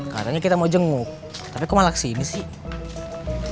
katanya kita mau jenguk tapi kok malah kesini sih